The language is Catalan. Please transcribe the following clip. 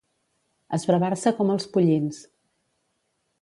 Esbravar-se com els pollins.